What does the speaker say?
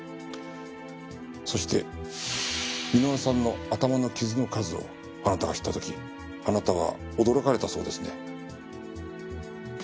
そして箕輪さんの頭の傷の数をあなたが知った時あなたは驚かれたそうですね。